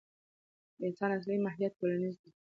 د انسان اصلي ماهیت ټولنیز دی.